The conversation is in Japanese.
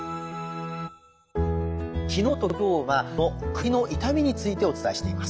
昨日と今日はこの首の痛みについてお伝えしています。